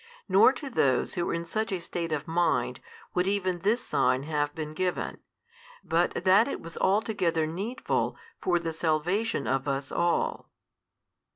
Nor to those who were in such a state of mind would even this sign have been given, but that it was altogether needful for the salvation of us all.